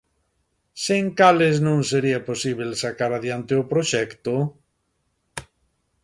Sen cales non sería posíbel sacar adiante o proxecto?